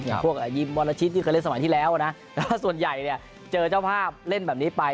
อย่างพวกยิมวันละชิดที่เคยเล่นสมัยที่แล้วนะส่วนใหญ่เจอเจ้าภาพเล่นแบบนี้ไป